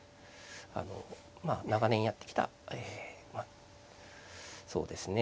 あのまあ長年やってきたそうですね